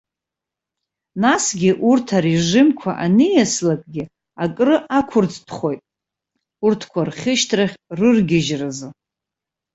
Насгьы, урҭ арежимқәа аниаслакгьы, акры ақәырӡтәхоит урҭқәа рхьышьҭрахь рыргьежьраз.